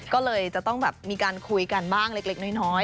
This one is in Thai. ก็เลยจะต้องแบบมีการคุยกันบ้างเล็กน้อย